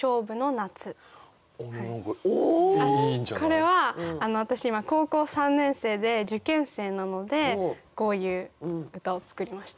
これは私今高校３年生で受験生なのでこういう歌を作りました。